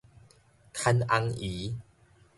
牽尪姨